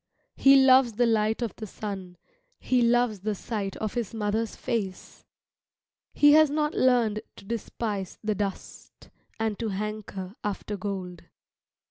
He loves the light of the sun, he loves the sight of his mother's face. He has not learned to despise the dust, and to hanker after gold.